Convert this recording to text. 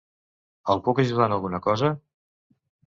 El puc ajudar en alguna cosa?